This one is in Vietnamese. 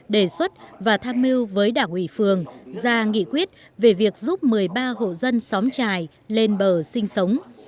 đề xuất và tham mưu với đảng ủy phường ra nghị quyết về việc giúp một mươi ba hộ dân xóm trài lên bờ sinh sống